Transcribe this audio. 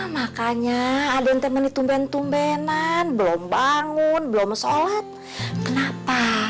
makanya adente menitumban tumbanan belum bangun belum sholat kenapa